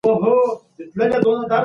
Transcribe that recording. مشرانو له پخوا راهيسي د عاجزۍ درس ورکاوه.